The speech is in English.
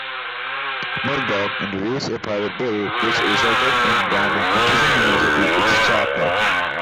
Murdock introduced a Private Bill which resulted in granting Nipissing University its charter.